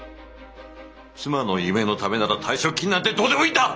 妻の夢のためなら退職金なんてどうでもいいんだ！